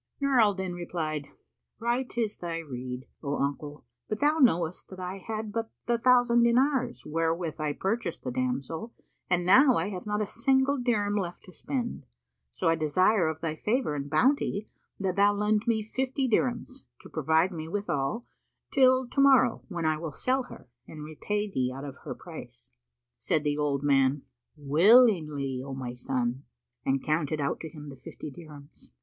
Nur al Din replied, "Right is thy rede, O uncle, but thou knowest that I had but the thousand dinars wherewith I purchased the damsel, and now I have not a single dirham left to spend; so I desire of thy favour and bounty that thou lend me fifty dirhams, to provide me withal, till to morrow, when I will sell her and repay thee out of her price." Said the old man, "Willingly, O my son," and counted out to him the fifty dirhams.